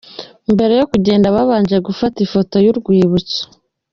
Mbere yo kugenda babanje gufata ifoto y’urwibutso.